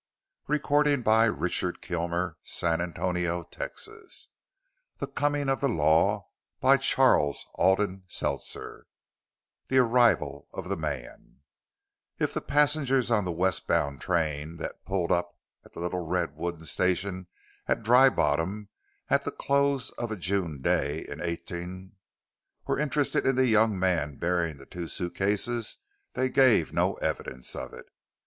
Forming a Friendship 364 XXXI. Afterward 375 THE COMING OF THE LAW CHAPTER I THE ARRIVAL OF THE MAN If the passengers on the west bound train that pulled up at the little red wooden station at Dry Bottom at the close of a June day in 18 , were interested in the young man bearing the two suit cases, they gave no evidence of it.